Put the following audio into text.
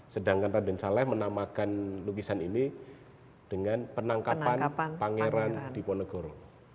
sedangkan raden saleh menamakan lukisan ini dengan penangkapan pangeran diponegoro